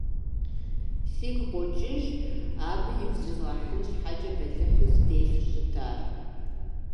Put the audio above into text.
Сигу къокӀыж абы игу зризгъэхьын щхьэкӀэ бэлыхьу стелъу щытар.